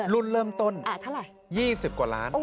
รุ่นเริ่มต้น๒๐กว่าล้าน